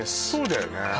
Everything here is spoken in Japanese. そうだよね